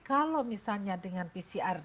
kalau misalnya dengan pcr